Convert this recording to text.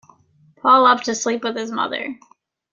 Paul loved to sleep with his mother.